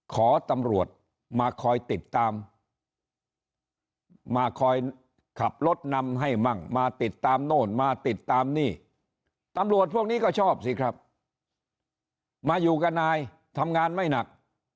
ขอตำรวจมาคอยติดตามมาคอยขับรถนำให้มั่งมาติดตามโน่นมาติดตามนี่ตำรวจพวกนี้ก็ชอบสิครับมาอยู่กับนายทำงานไม่หนัก